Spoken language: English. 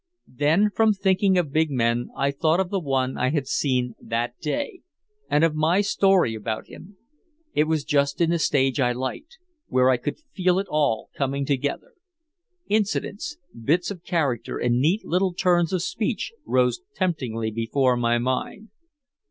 Then from thinking of big men I thought of the one I had seen that day, and of my story about him. It was just in the stage I liked, where I could feel it all coming together. Incidents, bits of character and neat little turns of speech rose temptingly before my mind.